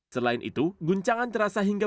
selain itu guncangan terasa hingga